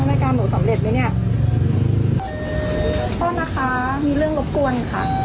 รายการหนูสำเร็จไหมเนี่ยพ่อนะคะมีเรื่องรบกวนค่ะ